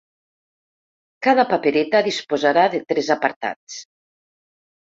Cada papereta disposarà de tres apartats.